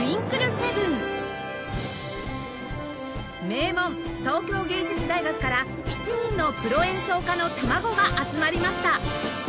名門東京藝術大学から７人のプロ演奏家の卵が集まりました！